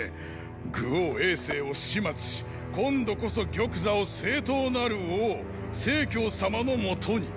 愚王政を始末し今度こそ玉座を正統なる王成様の元に！